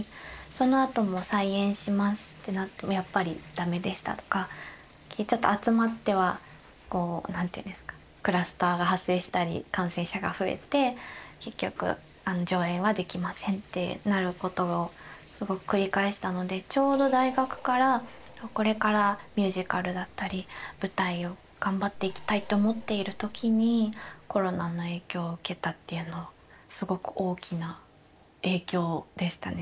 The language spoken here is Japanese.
そのあとも「再演します」ってなってもやっぱり駄目でしたとか集まってはこう何て言うんですかクラスターが発生したり感染者が増えて結局「上演はできません」ってなることをすごく繰り返したのでちょうど大学からこれからミュージカルだったり舞台を頑張っていきたいと思っている時にコロナの影響を受けたっていうのすごく大きな影響でしたね。